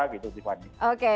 oke ini saya menangkapnya